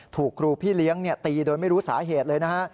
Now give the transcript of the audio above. ถูกครูพี่เลี้ยงตีโดยไม่รู้สาเหตุเลยนะฮะ